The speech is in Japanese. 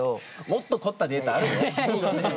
もっと凝ったデータあるよ。